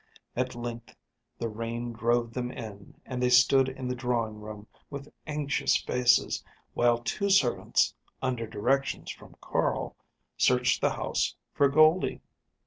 At length the rain drove them in and they stood in the drawing room with anxious faces, while two servants, under directions from Carl, searched the house for Goldie.